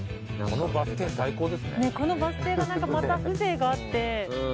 このバス停が何かまた風情があって。